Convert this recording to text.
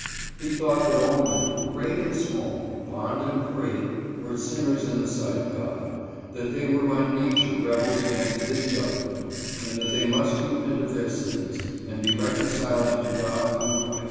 He thought that all men, great and small, bond and free, were sinners in the sight of God : that they were by nature rebels against his government ; and that they must repent of their sins, and be reconciled to God through Christ.